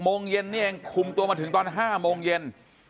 โมงเย็นนี่เองคุมตัวมาถึงตอน๕โมงเย็น